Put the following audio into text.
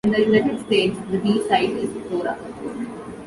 In the United States, the B-side is Tora!